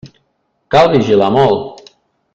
Cal vigilar molt.